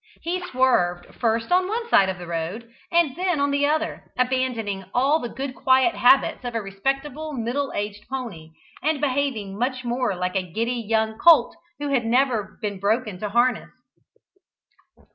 He swerved first on one side of the road, and then on the other, abandoning all the good, quiet habits of a respectable middle aged pony, and behaving much more like a giddy young colt who had never been broken to harness.